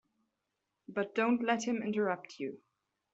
But don't let him interrupt you.